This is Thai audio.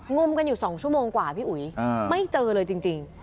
มกันอยู่๒ชั่วโมงกว่าพี่อุ๋ยไม่เจอเลยจริง